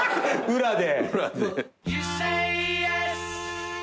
裏で？